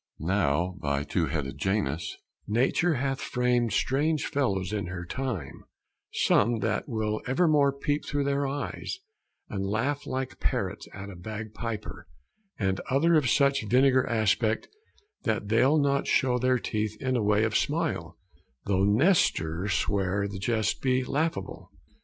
Now, by two headed Janus, Nature hath framed strange fellows in her time: Some that will evermore peep through their eyes And laugh like parrots at a bag piper, And other of such vinegar aspect That they'll not show their teeth in way of smile, Though Nestor swear the jest be laughable.